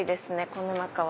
この中は。